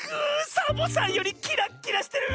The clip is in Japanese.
サボさんよりキラッキラしてる！